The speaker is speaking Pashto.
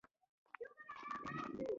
خپل فکرونه ولیکه.